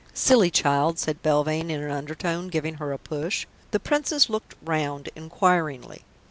"Silly child!" said Belvane in an undertone, giving her a push. The Princess looked round inquiringly.